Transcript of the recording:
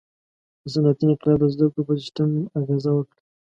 • صنعتي انقلاب د زدهکړو په سیستم اغېزه وکړه.